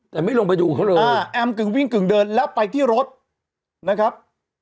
แต่ไม่ลงไปดูเขาเลยแอมกึ่งวิ่งกึ่งเดินแล้วไปที่รถนะครับ